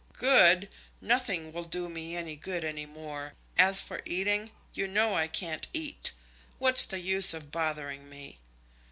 "Good! Nothing will do me any good any more. As for eating, you know I can't eat. What's the use of bothering me?"